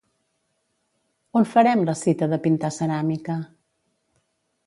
On farem la cita de pintar ceràmica?